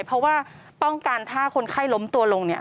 เพราะว่าป้องกันถ้าคนไข้ล้มตัวลงเนี่ย